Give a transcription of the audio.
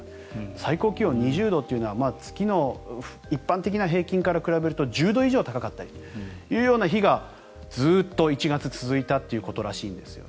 最高気温２０度というのは月の一般的な平均から比べると１０度以上高かったりという日がずっと１月は続いたということらしいんです。